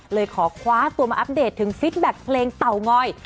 เลยขอคว้าตัวมาอัปเดตถึงฟิตแบตเพลงเต่างอย